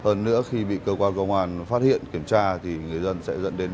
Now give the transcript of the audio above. hơn nữa khi bị cơ quan công an phát hiện kiểm tra thì người dân sẽ dẫn đến